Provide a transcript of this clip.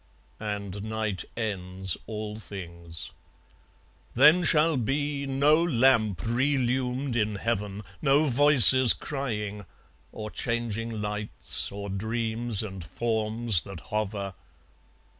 And night ends all things. Then shall be No lamp relumed in heaven, no voices crying, Or changing lights, or dreams and forms that hover!